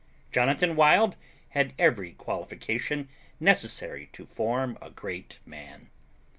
Jonathan Wild had every qualification necessary to form a great man.